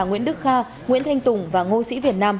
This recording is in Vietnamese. nguyễn đức kha nguyễn thanh tùng và ngô sĩ việt nam